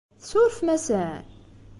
Tsurfem-asen?